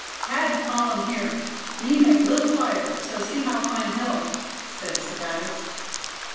"Tad call um here. Me make little fire, so see how climb hill," said Sebattis.